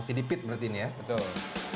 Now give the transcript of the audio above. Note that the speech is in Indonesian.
peat berarti ini ya betul